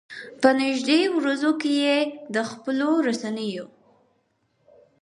په نږدې ورځو کې یې د خپلو رسنيو.